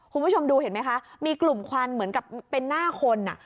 คุณผู้ชมดูเห็นไหมคะมีกลุ่มควันเหมือนกับเป็นหน้าคนอ่ะ